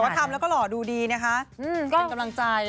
แต่ทำแล้วก็หล่อดูดีเป็นกำลังใจ